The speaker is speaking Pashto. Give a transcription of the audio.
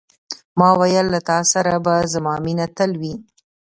ما وویل، له تا سره به زما مینه تل وي.